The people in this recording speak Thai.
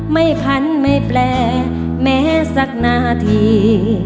พันไม่แปลแม้สักนาที